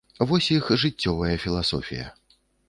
Вось іх жыццёвая філасофія.